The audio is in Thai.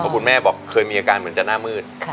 คุณแม่บอกเคยมีอาการเหมือนจะหน้ามืด